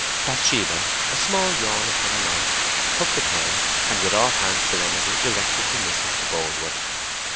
Bathsheba, a small yawn upon her mouth, took the pen, and with off hand serenity directed the missive to Boldwood.